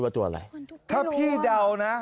ถ้าพี่เดานะ